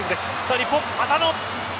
日本、浅野。